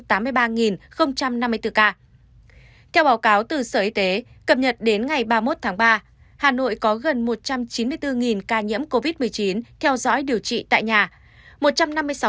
theo báo cáo từ sở y tế cập nhật đến ngày ba mươi một tháng ba hà nội có gần một trăm chín mươi bốn ca nhiễm covid một mươi chín theo dõi điều trị tại nhà